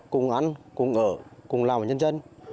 cùng ăn cùng ở cùng làm với nhân dân